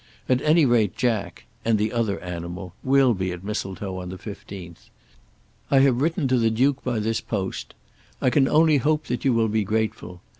At any rate Jack, and the other animal, will be at Mistletoe on the 15th. I have written to the Duke by this post. I can only hope that you will be grateful.